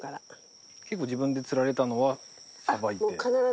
結構自分で釣られたのはさばいて？